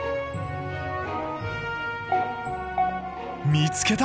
見つけた！